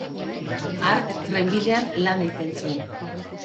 Hark trenbidean lan egiten zuen.